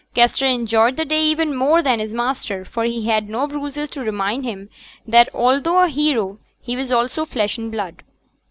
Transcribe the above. Kester enjoyed the day even more than his master, for he had no bruises to remind him that, although a hero, he was also flesh and blood.